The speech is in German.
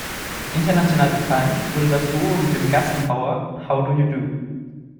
International bekannt wurde das Duo mit dem Gassenhauer "How Do You Do?